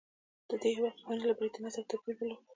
د دې هېواد قوانینو له برېټانیا سره توپیر درلود.